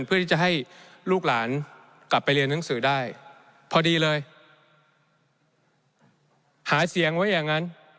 เพื่อที่จะให้ลูกหลานกลับไปเรียนหนังสือได้พอดีเลยหาเสียงไว้อย่างนั้น